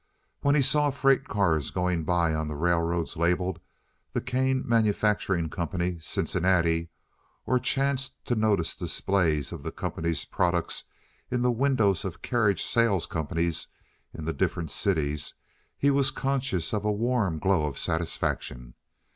When he saw freight cars going by on the railroads labelled "The Kane Manufacturing Company—Cincinnati" or chanced to notice displays of the company's products in the windows of carriage sales companies in the different cities he was conscious of a warm glow of satisfaction.